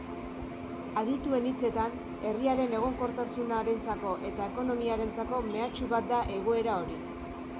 Adituen hitzetan, herriaren egonkortasunarentzako eta ekonomiarentzako mehatxu bat da egoera hori.